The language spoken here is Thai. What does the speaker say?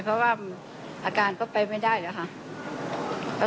เพราะว่าอาการก็ไปไม่ได้แล้วค่ะ